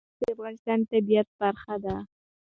نمک د افغانستان د طبیعت برخه ده.